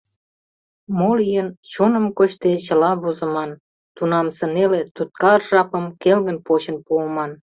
— Мо лийын, чоным кочде, чыла возыман, тунамсе неле, туткар жапым келгын почын пуыман.